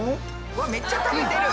わっめっちゃ食べてる。